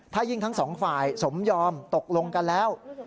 ถ้ายิ่งทั้งสองฝ่ายสมยอมตกลงกันแล้ว